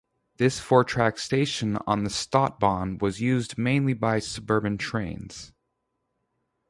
This four-track station on the Stadtbahn was used mainly by suburban trains.